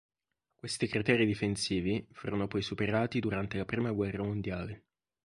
Questi criteri difensivi furono poi superati durante la Prima guerra mondiale.